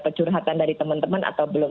kecurhatan dari teman teman atau belum